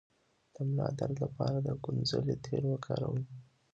د ملا درد لپاره د کونځلې تېل وکاروئ